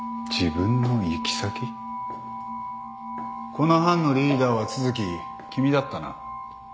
この班のリーダーは都築君だったな。